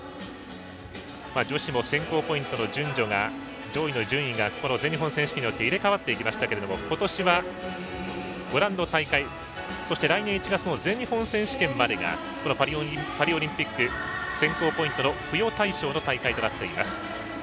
女子も選考ポイントの順序が上位の順位が全日本選手権によって入れ代わっていきましたが今年は、ご覧の大会そして、来年１月の全日本選手権までがパリオリンピック選考ポイントの付与対象の大会となっています。